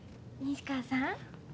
西川さん。